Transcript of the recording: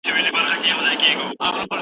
که دا ظلم دوام وکړي ټولنه به تباه سي.